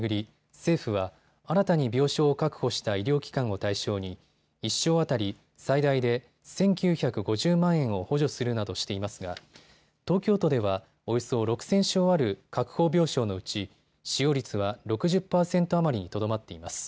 政府は新たに病床を確保した医療機関を対象に１床当たり最大で１９５０万円を補助するなどしていますが東京都では、およそ６０００床ある確保病床のうち使用率は６０％余りにとどまっています。